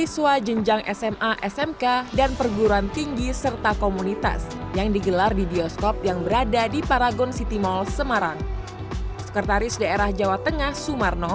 sampai jumpa di film berikutnya